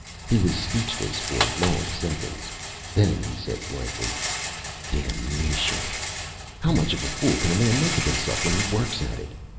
He was speechless for long seconds. Then he said blankly: "Damnation! How much of a fool can a man make of himself when he works at it?